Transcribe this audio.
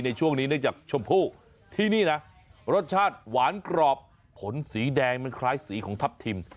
ในช่วงนี้เนื่องจากชมพู่ที่นี่นะรสชาติหวานกรอบผลสีแดงมันคล้ายสีของทัพทิม